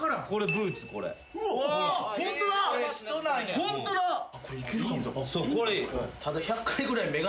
ホントだ！